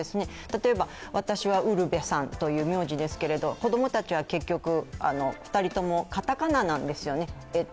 例えば、私はウルヴェさんという名字ですけれども、子供たちは結局、２人ともかたかななんですよね。